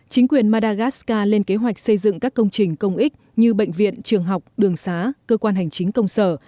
chính quyền madagascar lên kế hoạch xây dựng các công trình công ích như bệnh viện trường học đường xá cơ quan hành chính công sở